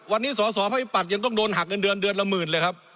วันนี้สอบภักดิ์ประชาธิบัตรยังต้องโดนหักเงินเดือนละหมื่นเลยครับ